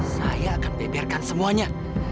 saya akan beberkan semuanya